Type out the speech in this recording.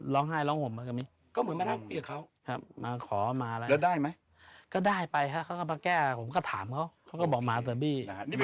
บางทีร้องไห้ร้องห่มอะไรป่ะกมี้